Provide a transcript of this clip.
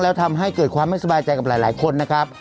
แล้วทำให้เกิดความไม่สบายใจกับหลายคนนะครับ